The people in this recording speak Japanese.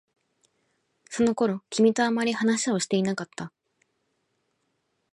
その頃、君とあまり話をしていなかった。